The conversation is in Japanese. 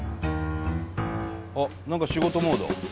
あっ何か仕事モード。